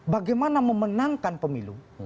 bagaimana memenangkan pemilu